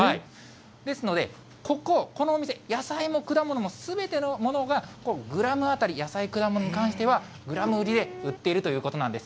ですので、ここ、このお店、野菜も果物のすべてのものがグラム当たり、野菜、果物に関しては、グラム売りで売っているということなんです。